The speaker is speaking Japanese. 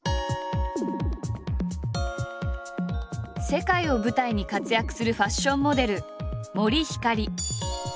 世界を舞台に活躍するファッションモデル森星。